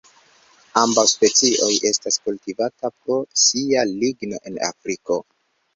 Ambaŭ specioj estas kultivataj pro sia ligno en Afriko.